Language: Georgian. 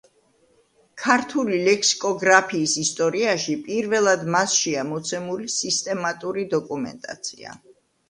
ქართული ლექსიკოგრაფიის ისტორიაში პირველად მასშია მოცემული სისტემატური დოკუმენტაცია.